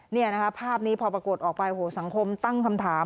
นี่นะคะภาพนี้พอปรากฏออกไปโหสังคมตั้งคำถาม